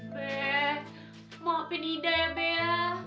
be mau apin ida ya bea